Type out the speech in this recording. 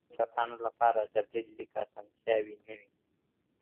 د ړندو کسانو لپاره د بریل لیک اسانتیاوي نه وي.